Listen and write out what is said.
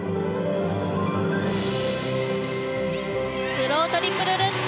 スロートリプルルッツ。